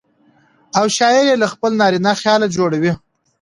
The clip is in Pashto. او شاعر يې له خپل نارينه خياله جوړوي.